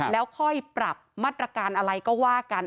แล้วค่อยปรับมาตรการอะไรก็ว่ากัน